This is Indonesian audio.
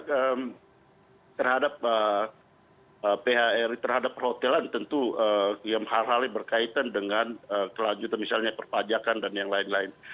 jadi terhadap phri terhadap perhotelan tentu hal halnya berkaitan dengan kelanjutan misalnya perpajakan dan yang lain lain